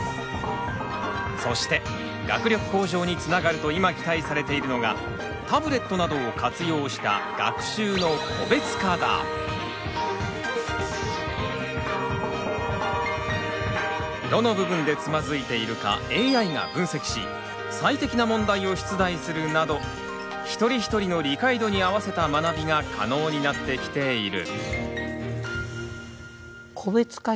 そして学力向上につながると今期待されているのがタブレットなどを活用したどの部分でつまずいているかＡＩが分析し最適な問題を出題するなど一人一人の理解度に合わせた学びが可能になってきている。